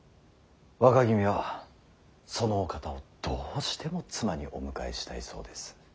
若君はそのお方をどうしても妻にお迎えしたいそうです。